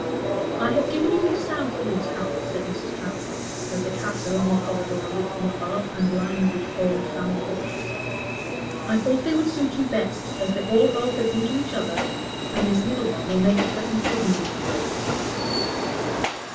"I have given you the south rooms, Harold," said Mrs. Transome, as they passed along a corridor lit from above and lined with old family pictures. "I thought they would suit you best, as they all open into each other, and this middle one will make a pleasant sitting room for you."